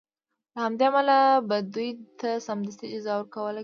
له همدې امله به دوی ته سمدستي جزا ورکول کېدله.